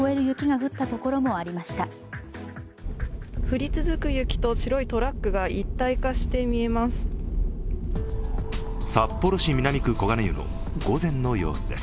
降り続く雪と白いトラックが一体化して見えます。